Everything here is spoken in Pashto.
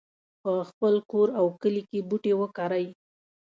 په خپل کور او کلي کې بوټي وکرئ